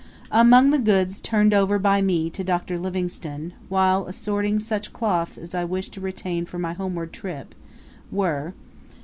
Among the goods turned over by me to Dr. Livingstone, while assorting such cloths as I wished to retain for my homeward trip, were Doti.